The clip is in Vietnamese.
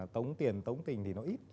tống tiền tống tình thì nó ít